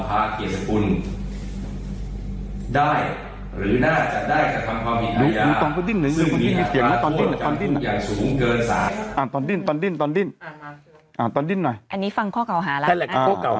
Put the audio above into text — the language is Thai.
อ่าตอนดิ้นตอนดิ้นตอนดิ้นอ่าตอนดิ้นหน่อยอันนี้ฟังข้อเก่าหารักอ่า